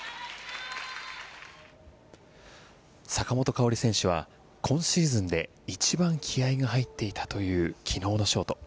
坂本花織選手は今シーズンで一番気合が入っていたという昨日のショート。